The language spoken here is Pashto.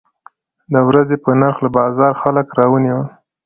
د ورځې په نرخ له بازاره خلک راونیول.